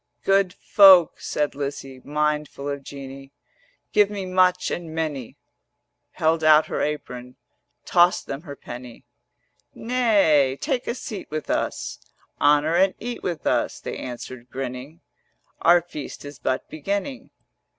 'Good folk,' said Lizzie, Mindful of Jeanie: 'Give me much and many:' Held out her apron, Tossed them her penny. 'Nay, take a seat with us, Honour and eat with us,' They answered grinning: 370 'Our feast is but beginning.